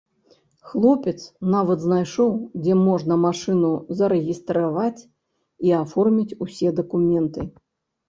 Хлопец нават знайшоў, дзе можна машыну зарэгістраваць і аформіць усе дакументы.